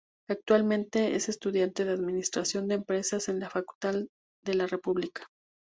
Actualmente es estudiante de administración de empresas en la facultad de la República.